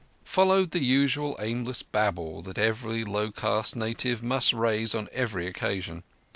Followed the usual aimless babble that every low caste native must raise on every occasion.